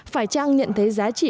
phải trang nhận thấy giá trị